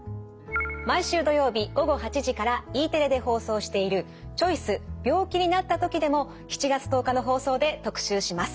毎週土曜日午後８時からＥテレで放送している「チョイス＠病気になったとき」でも７月１０日の放送で特集します。